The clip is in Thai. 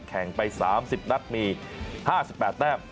แข่งไป๓๐นักมี๕๘แต้ม